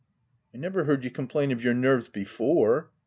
" I never heard you complain of your nerves before."